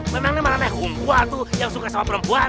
memang memang itu yang suka dengan perempuan